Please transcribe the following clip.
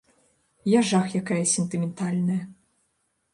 Я жах якая сентыментальная.